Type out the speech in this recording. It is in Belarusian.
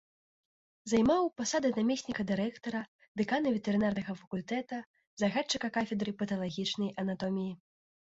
Займаў пасады намесніка дырэктара, дэкана ветэрынарнага факультэта, загадчыка кафедры паталагічнай анатоміі.